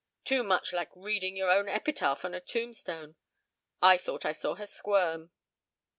Too much like reading your own epitaph on a tombstone. I thought I saw her squirm."